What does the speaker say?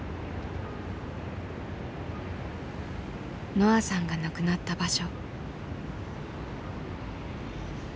のあさんが亡くなった場所。